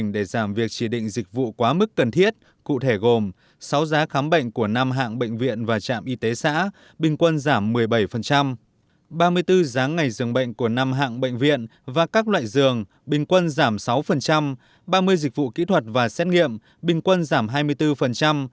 tại dường bình quân giảm sáu ba mươi dịch vụ kỹ thuật và xét nghiệm bình quân giảm hai mươi bốn